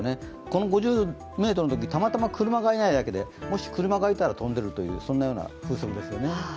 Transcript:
この５０メートルのときたまたま車がいないだけでもし車がいたら飛んでるという、そんなような風速ですよね。